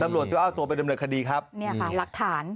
ตำรวจจะเอาตัวไปดำเนินคดีครับเนี่ยค่ะหลักฐาน